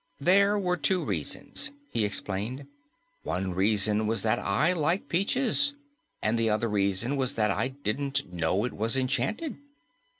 "There were two reasons," he explained. "One reason was that I like peaches, and the other reason was that I didn't know it was enchanted."